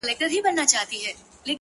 • جوړ يمه گودر يم ماځيگر تر ملا تړلى يم،